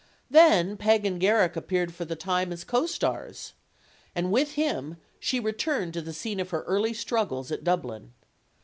Then Peg and Garrick appeared for the time as co stars. And, with him, she returned to the scene of her early struggles at Dublin.